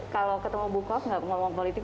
kalau ketemu bukos ngomong politik